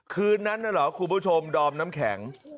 คืนนั้นน่ะเหรอคุณผู้ชมดอมน้ำแข็ง